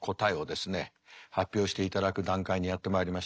発表していただく段階にやってまいりました。